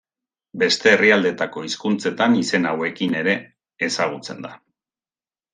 Beste herrialdeetako hizkuntzetan izen hauekin ere ezagutzen da.